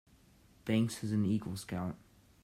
Banks is an Eagle Scout.